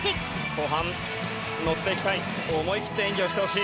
後半、のっていきたい。